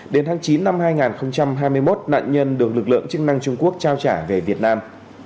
đến tháng chín năm hai nghìn hai mươi một nạn nhân được lực lượng chức năng trung quốc trao trả về việt nam